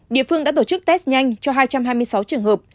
địa phương đã tổ chức test nhanh cho hai trăm hai mươi sáu trường hợp